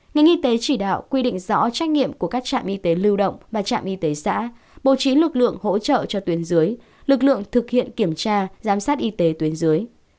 ngành y tế chỉ đạo quy định rõ trách nhiệm của các trạm y tế lưu động và trạm y tế xã bố trí lực lượng hỗ trợ cho tuyến dưới lực lượng thực hiện kiểm tra giám sát y tế tuyến dưới